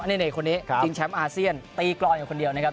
นี่คนนี้ชิงแชมป์อาเซียนตีกรองอยู่คนเดียวนะครับ